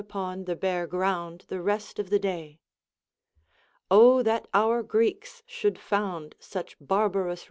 upon the bare ground the rest of the day. 0 tliat our Greeks should found such barbarous rites.